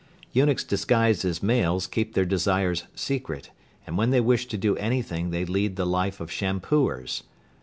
Eunuchs disguised as males keep their desires secret, and when they wish to do anything they lead the life of shampooers.